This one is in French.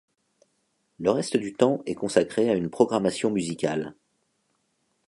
Le reste du temps est consacré à une programmation musicale.